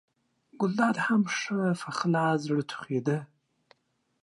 ګلداد هم ښه په خلاص زړه ټوخېده.